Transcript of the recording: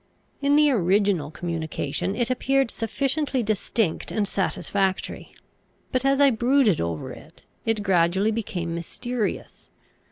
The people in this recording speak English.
In the original communication it appeared sufficiently distinct and satisfactory; but as I brooded over it, it gradually became mysterious.